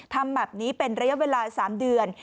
ทำแบบนี้เป็นระยะเวลา๓เดือน